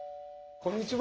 こんにちは。